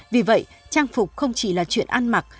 vì vậy trang phục không chỉ là chuyện ăn mặc